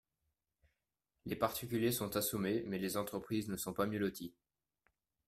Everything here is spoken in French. Les particuliers sont assommés, mais les entreprises ne sont pas mieux loties.